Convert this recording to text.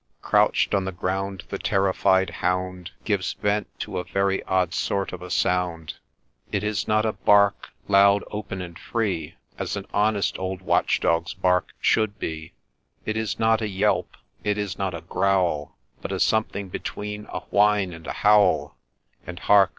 Crouch'd on the ground, the terrified hound Gives vent to a very odd sort of a sound ; It is not a bark, loud, open, and free, As an honest old watch dog's bark should be ; It ia not a yelp, it is not a growl, But a something between a whine and a howl ; And, hark